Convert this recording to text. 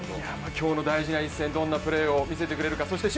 今日の大事な一戦、どんなプレーを見せてくれるか。